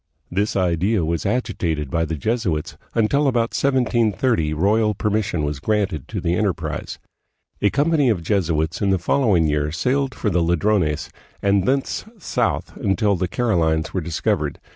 This idea was agitated by the Jesuits, until about 1730 royal permission was granted to the enterprise. A company of Jesuits in the following year sailed for the Ladrones and thence south until the Carolines were discov ered.